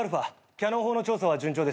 キャノン砲の調査は順調です。